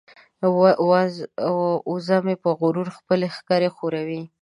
وزه مې په غرور خپلې ښکرې ښوروي.